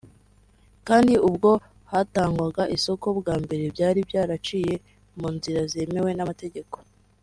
kandi ubwo hatangwaga isoko bwa mbere byari byaraciye mu nzira zemewe n’amategeko